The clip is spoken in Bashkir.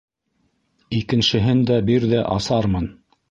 Икеншеһен дә бир ҙә - асармын.